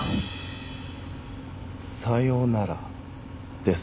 さようならデス。